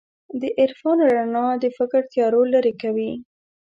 د عرفان رڼا د فکر تیارو لېرې کوي.